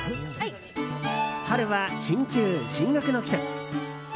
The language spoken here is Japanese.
春は進級・進学の季節。